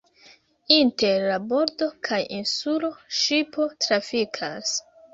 Inter la bordo kaj insulo ŝipo trafikas.